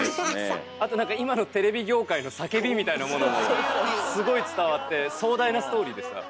あと何か今のテレビ業界の叫びみたいなものもすごい伝わって壮大なストーリーでした。